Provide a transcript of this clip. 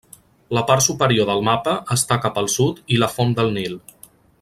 La part superior del mapa està cap al sud i la font del Nil.